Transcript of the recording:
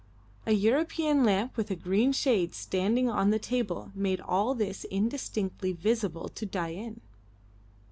An European lamp with a green shade standing on the table made all this indistinctly visible to Dain.